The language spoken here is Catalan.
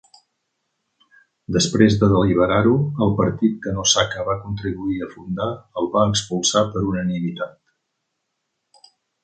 Després de deliberar-ho, el partit que Nosaka va contribuir a fundar el va expulsar per unanimitat.